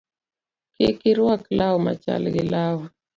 Kik iruak law machal gi lawa